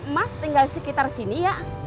mas tinggal di sekitar sini ya